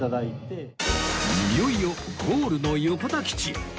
いよいよゴールの横田基地